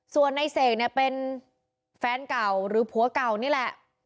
ส่วนในเสกเนี่ยเป็นแฟนเก่าหรือผัวเก่านี่แหละ